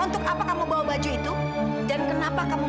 rizky tunggu dulu dengerin mama